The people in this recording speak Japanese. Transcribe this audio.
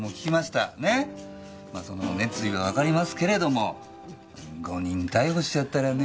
まあその熱意はわかりますけれども誤認逮捕しちゃったらねえ。